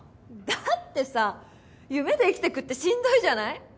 だってさ夢で生きてくってしんどいじゃない？